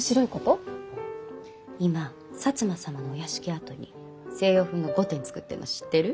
今摩様のお屋敷跡に西洋風の御殿造ってんの知ってる？